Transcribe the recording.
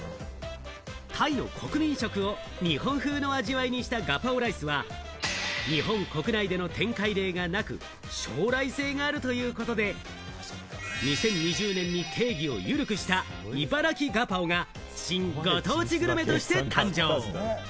タイの国民食を日本風の味わいにしたガパオライスは日本国内での展開例がなく、将来性があるということで、２０２０年に定義を緩くした、いばらきガパオが新ご当地グルメとして誕生。